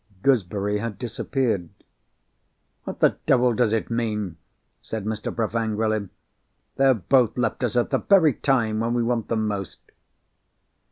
Gooseberry had disappeared. "What the devil does it mean?" said Mr. Bruff angrily. "They have both left us at the very time when we want them most."